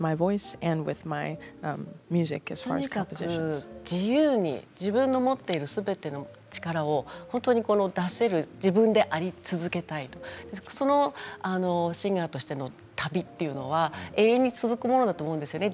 とにかく自由に自分の持っているすべての力を出せる自分であり続けたいとシンガーとしての旅というのは永遠に続くものだと思うんですね